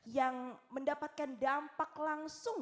yang mendapatkan dampak langsung